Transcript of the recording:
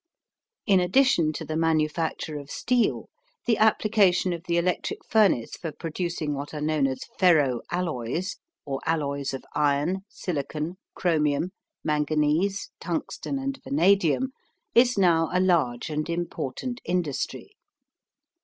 In addition to the manufacture of steel, the application of the electric furnace for producing what are known as ferro alloys, or alloys of iron, silicon, chromium, manganese, tungsten and vanadium, is now a large and important industry.